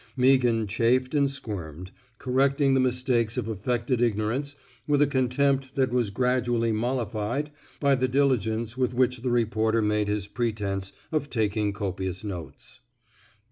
Meaghan chafed and squirmed, correcting the mistakes of affected ignorance with a contempt that was gradually mollified by the diligence with which the reporter made his pretence of taking copious notes.